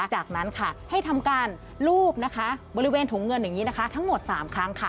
จากนั้นค่ะให้ทำการลูบนะคะบริเวณถุงเงินอย่างนี้นะคะทั้งหมด๓ครั้งค่ะ